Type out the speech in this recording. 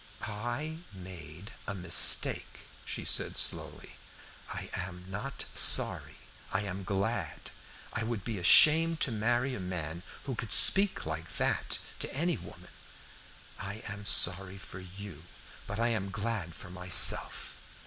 "I made a mistake," she said slowly. "I am not sorry. I am glad. I would be ashamed to marry a man who could speak like that to any woman. I am sorry for you, but I am glad for myself."